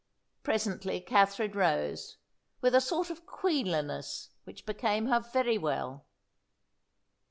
Presently Katherine rose, with a sort of queenliness which became her very well.